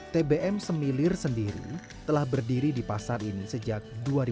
tbm semilir sendiri telah berdiri di pasar ini sejak dua ribu dua